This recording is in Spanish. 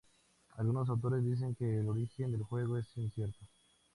Algunos autores dicen que el origen del juego es incierto.